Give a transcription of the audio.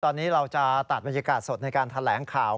ตอนนี้เราจะตัดบรรยากาศสดในการแถลงข่าว